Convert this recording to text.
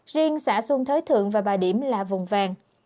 riêng xã xuân thới thượng và bà điểm là vùng vàng